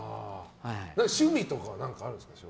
趣味とかは何かあるんですか？